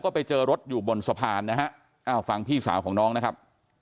ไปเจอรถอยู่บนสะพานนะฮะอ้าวฟังพี่สาวของน้องนะครับ